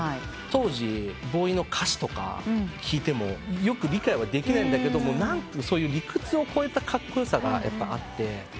当時ＢＷＹの歌詞とか聴いてもよく理解はできないんだけど理屈を超えたカッコよさがあって。